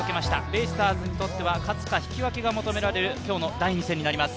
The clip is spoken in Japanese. ベイスターズにとっては勝つか引き分けが求められる今日の第２戦になります。